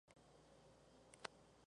Bryan Brack Beatport.